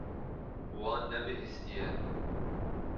Wan nebihîstiye.